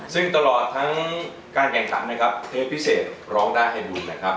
ซึ่งตลอดทั้งการแข่งขันนะครับเทปพิเศษร้องได้ให้บุญนะครับ